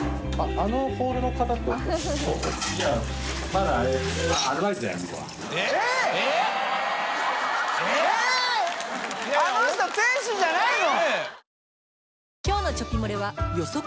あの人店主じゃないの？